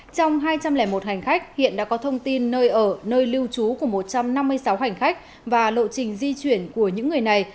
trong hai trăm linh một hành khách hiện đã có thông tin nơi ở nơi lưu trú của một trăm năm mươi sáu hành khách và lộ trình di chuyển của những người này